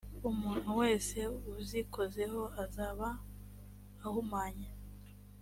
umuntu wese uzikozeho azaba ahumanye